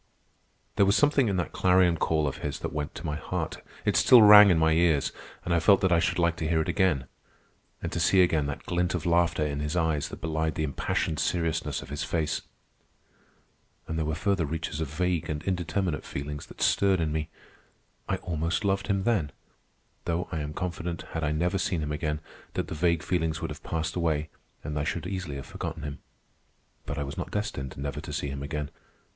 There was something in that clarion call of his that went to my heart. It still rang in my ears, and I felt that I should like to hear it again—and to see again that glint of laughter in his eyes that belied the impassioned seriousness of his face. And there were further reaches of vague and indeterminate feelings that stirred in me. I almost loved him then, though I am confident, had I never seen him again, that the vague feelings would have passed away and that I should easily have forgotten him. But I was not destined never to see him again.